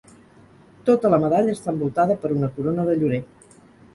Tota la medalla està envoltada per una corona de llorer.